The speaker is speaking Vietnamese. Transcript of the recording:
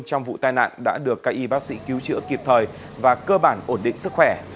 trong vụ tai nạn đã được các y bác sĩ cứu chữa kịp thời và cơ bản ổn định sức khỏe